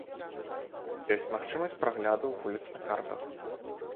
Ёсць магчымасць прагляду вуліц на картах.